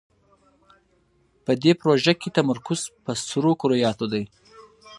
په دې پروژه کې تمرکز پر سرو کرویاتو دی.